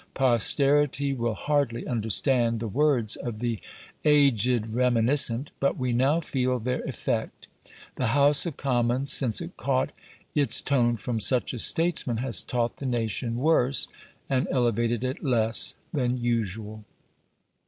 Posterity will hardly understand the words of the aged reminiscent, but we now feel their effect. The House of Commons, since it caught its tone from such a statesman, has taught the nation worse, and elevated it less, than usual.